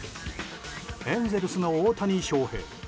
エンゼルスの大谷翔平。